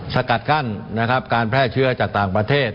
สกัดกั้นนะครับการแพร่เชื้อจากต่างประเทศ